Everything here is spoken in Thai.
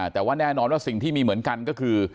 แต่ว่าแน่นอนว่าสิ่งที่มีเหมือนกันก็คือ